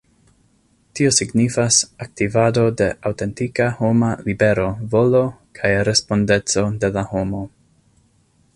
Tio signifas aktivado de aŭtentika homa libera volo kaj respondeco de la homo.